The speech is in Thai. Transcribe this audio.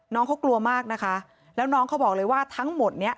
น้องเขากลัวมากนะคะแล้วน้องเขาบอกเลยว่าทั้งหมดเนี้ย